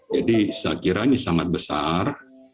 jadi saya kira ini sangat besar